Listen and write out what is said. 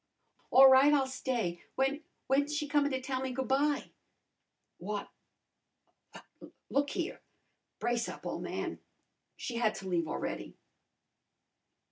"A' right. I'll stay. When when's she comin' to tell me goo' by?" "Why why look a here. Brace up, ole man. She had to leave a'ready."